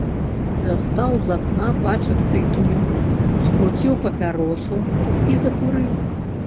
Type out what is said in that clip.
Дастаў з акна пачак тытуню, скруціў папяросу і закурыў.